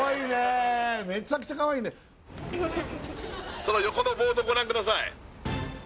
その横のボードご覧ください